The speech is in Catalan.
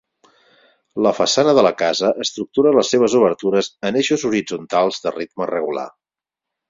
La façana de la casa estructura les seves obertures en eixos horitzontals de ritme regular.